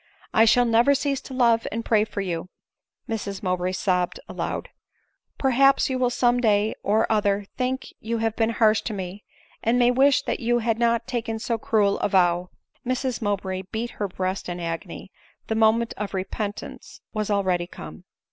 I shall never cease to love and pray for you." (M&s Mowbray sobbed aloud.) " Perhaps you will some day or other think you have been harsh to me, and may wish that you had not taken so cruel a vow." (Mrs Mowbray beat her breast in agony ; the moment of repentance was already come.)